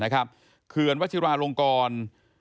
เคือนวัชราโรงกร